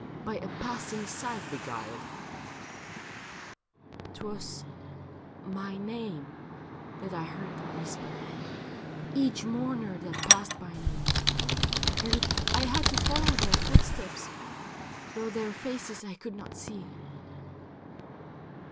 By a passing sight beguiled ?'* 'Twas my name that I heard them whisper, Each mourner that passed by me ; 32 THE FETCH: A BALLAD And I had to follow their footsteps, Though their faces I could not see.'